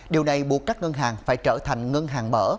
điều này buộc các ngân hàng phải trở thành ngân hàng mở